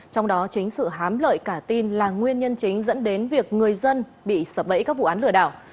trong đó chính sự hám lợi cả tin là nguyên nhân chính dẫn đến việc người dân bị sập bẫy các vụ án lừa đảo